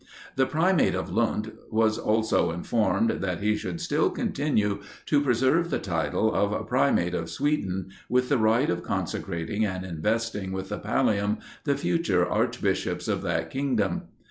The primate of Lund was also informed that he should still continue to preserve the title of Primate of Sweden, with the right of consecrating and investing with the pallium the future archbishops of that kingdom.